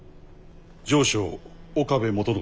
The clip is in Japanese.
城将岡部元信